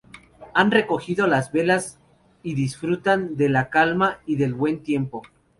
Han recogido las velas y disfrutan de la calma y del buen tiempo.